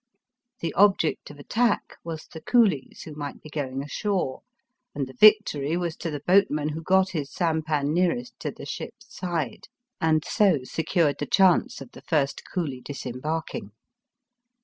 The object of attack was the coolies who might be going ashore, and the victory was to the boatman who got his sampan nearest to the ship's side, and so secured the chance of the first coolie disembarking.